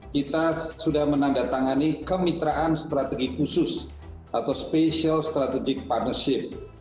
kita sudah menandatangani kemitraan strategi khusus atau special strategic partnership